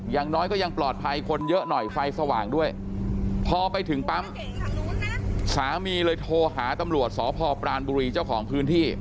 อย่างน้อยก็ยังปลอดภัยคนเยอะหน่อยไฟสว่างด้วยพอไปถึงปั๊มสามีเลยโทรหาตำรวจสพปรานบุรีเจ้าของพื้นที่